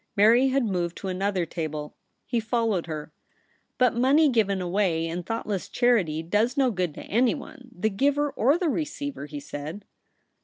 Mary had moved to another table. He followed her. * But money given away in thoughtless charity does no good to anyone, the giver or the re ceiver,' he said.